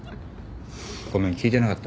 ごめん聞いてなかった。